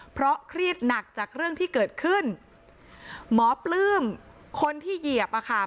เพราะเครียดหนักจากเรื่องที่เกิดขึ้นหมอปลื้มคนที่เหยียบอ่ะค่ะ